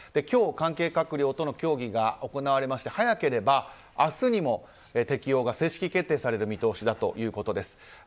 今日、関係閣僚との協議が行われまして早ければ明日にも適用が正式決定される見通しだということです。